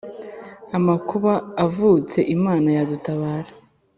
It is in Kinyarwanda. Amakuba avutse Imana yadutabara